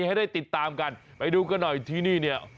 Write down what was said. ให้ได้ติดตามกันไปดูกันหน่อย